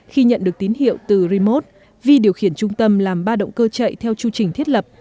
khi nhận được tín hiệu từ rimot vi điều khiển trung tâm làm ba động cơ chạy theo chu trình thiết lập